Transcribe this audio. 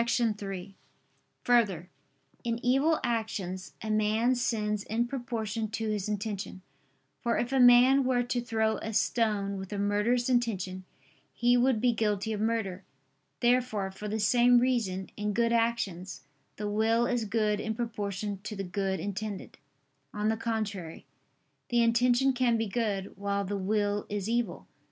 3: Further, in evil actions, a man sins in proportion to his intention: for if a man were to throw a stone with a murderous intention, he would be guilty of murder. Therefore, for the same reason, in good actions, the will is good in proportion to the good intended. On the contrary, The intention can be good, while the will is evil.